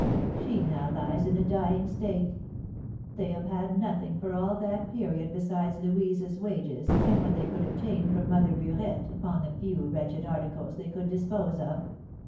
She now lies in a dying state; they have had nothing for all that period besides Louise's wages and what they could obtain from Mother Burette upon the few wretched articles they could dispose of.